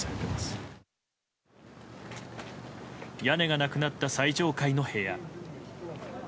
屋根がなくなった最上階の部屋。